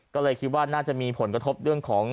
ก็เลยคิดว่าน่าจะมีผลกระทบเรื่องของ